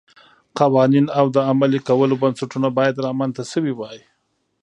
قوانین او د عملي کولو بنسټونه باید رامنځته شوي وای